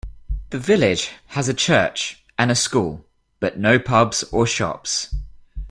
The village has a church and a school but no pubs or shops.